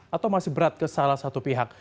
atau masih berat ke salah satu pihak